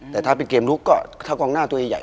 แต่ถ้าเป็นเกมลุกก็ถ้ากองหน้าตัวใหญ่